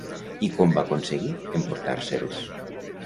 I com va aconseguir emportar-se'ls?